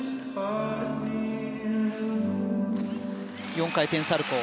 ４回転サルコウ。